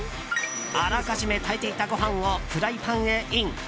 あらかじめ炊いていたご飯をフライパンへイン。